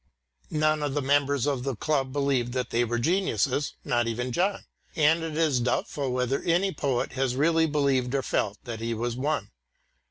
None of the members of the club believed that they were geniuses, not even John, and it is doubtful whether any poet has really believed or felt that he was one.